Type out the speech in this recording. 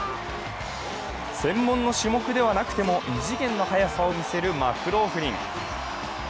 専門の種目ではなくても異次元の速さを見せるマクローフリン。